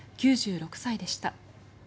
９６歳でした。